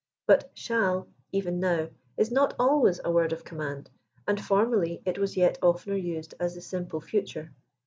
But " shall," even now, is not always a word of commatid, and formerly it was yet oftener used as the simple future.